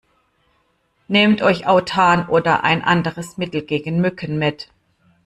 Nehmt euch Autan oder ein anderes Mittel gegen Mücken mit.